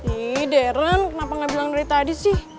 ih darren kenapa gak bilang dari tadi sih